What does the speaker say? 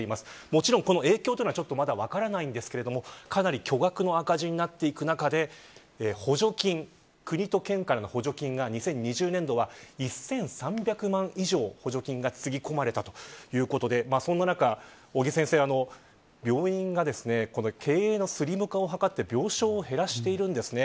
もちろんこの影響はまだちょっと分からないんですがかなり巨額の赤字になっていく中で補助金、国と県からの補助金が２０２０年度は１３００万以上補助金がつぎ込まれたということでそんな中、尾木先生病院が経営のスリム化を図って病床を減らしているんですね。